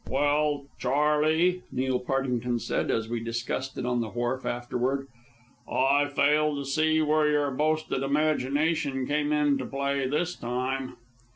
"Well, Charley," Neil Partington said, as we discussed it on the wharf afterward, "I fail to see where your boasted imagination came into play this time."